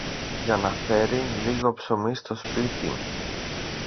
για να φέρει λίγο ψωμί στο σπίτι.